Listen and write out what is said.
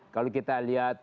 kalau kita lihat